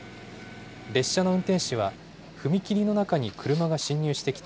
列車の運転士は、踏切の中に車が進入してきた。